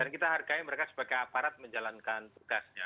dan kita hargai mereka sebagai aparat menjalankan tugasnya